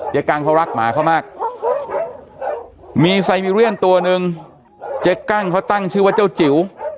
กังเขารักหมาเขามากมีไซมิเรียนตัวหนึ่งเจ๊กั้งเขาตั้งชื่อว่าเจ้าจิ๋ว